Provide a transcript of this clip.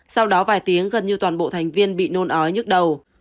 sau đó vài tiếng gần như toàn bộ thành viên bị nôn ói nhức đầu